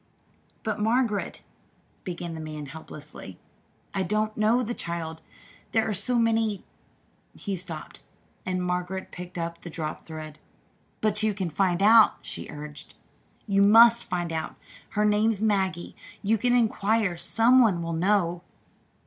"But, Margaret," began the man helplessly, "I don't know the child there are so many " he stopped, and Margaret picked up the dropped thread. "But you can find out," she urged. "You must find out. Her name's Maggie. You can inquire some one will know."